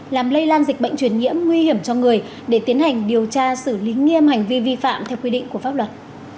làm lây lan dịch bệnh truyền nhiễm nguy hiểm cho người để tiến hành điều tra xử lý nghiêm hành vi vi phạm theo quy định của pháp luật